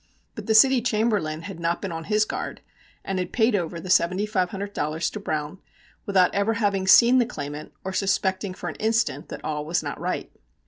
But the City Chamberlain had not been on his guard, and had paid over the seventy five hundred dollars to Browne without ever having seen the claimant or suspecting for an instant that all was not right.